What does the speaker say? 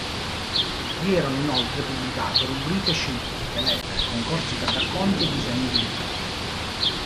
Vi erano inoltre pubblicate rubriche scientifiche, lettere, concorsi per racconti e disegni dei lettori.